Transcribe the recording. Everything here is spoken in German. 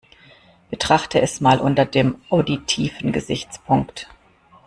Betrachte es mal unter dem auditiven Gesichtspunkt.